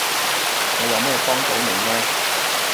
我有咩幫到你呢？